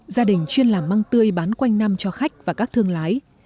gia đình chuyên làm măng tươi bán quanh năm cho khách và các thương lái